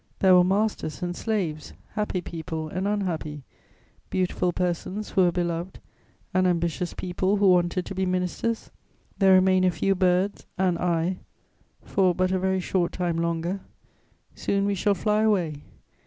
There were masters and slaves, happy people and unhappy, beautiful persons who were beloved and ambitious people who wanted to be ministers. There remain a few birds and I, for but a very short time longer; soon we shall fly away.